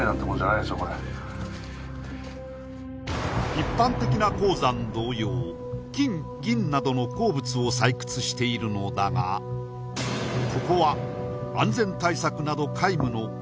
一般的な鉱山同様金・銀などの鉱物を採掘しているのだがここは安全対策など皆無の違法鉱山